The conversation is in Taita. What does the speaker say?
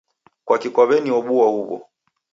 kwaki kwaw'eniobua huwo?